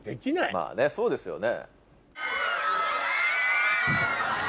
まぁねそうですよね。